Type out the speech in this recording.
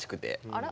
あら？